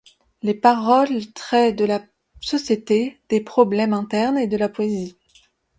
Les parooles traient de la société, des problèmes internes et de la poésie.